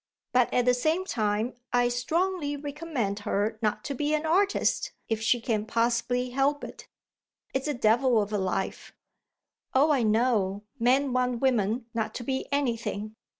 But at the same time I strongly recommend her not to be an artist if she can possibly help it. It's a devil of a life." "Oh I know; men want women not to be anything."